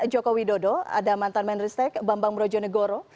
jokowi dodo ada mantan menristek bambang brojonegoro